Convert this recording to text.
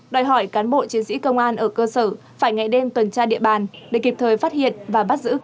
đòi hỏi cán bộ chiến sĩ công an ở cơ sở phải ngày đêm tuần tra địa bàn để kịp thời phát hiện và bắt giữ